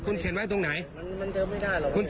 คุณเข็นไว้ตรงไหน